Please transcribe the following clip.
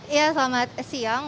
ya selamat siang